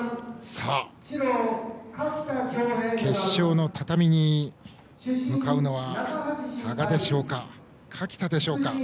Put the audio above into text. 決勝の畳に向かうのは羽賀でしょうか、垣田でしょうか。